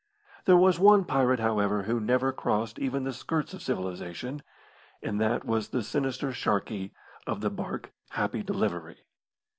There was one pirate, however, who never crossed even the skirts of civilisation, and that was the sinister Sharkey, of the barque Happy Delivery.